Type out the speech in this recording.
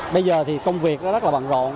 bây giờ thì công việc rất là bận rộn